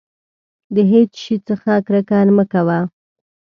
د هېڅ شي څخه کرکه مه کوه.